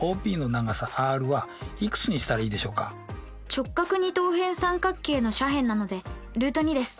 直角二等辺三角形の斜辺なのでルート２です。